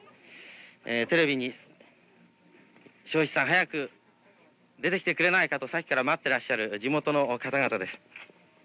テレビに庄一さん早く出てきてくれないかとさっきから待ってらっしゃる地元の方々です